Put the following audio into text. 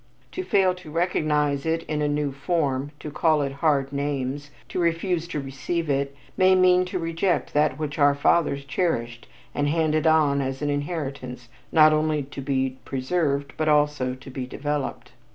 To fail to recognize it in a new form, to call it hard names, to refuse to receive it, may mean to reject that which our fathers cherished and handed on as an inheritance not only to be preserved but also to be developed.